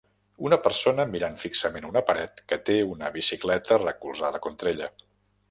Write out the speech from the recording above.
Una persona mirant fixament una paret que té una bicicleta recolzada contra ella.